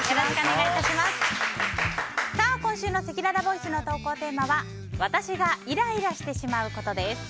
今週のせきららボイスの投稿テーマは私がイライラしてしまうことです。